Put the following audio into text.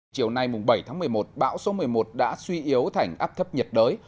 chiều nay bảy tháng một mươi một bão số một mươi một đã suy yếu thành áp thấp nhiệt đới